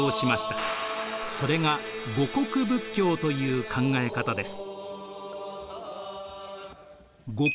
それが護国仏教という考え方です。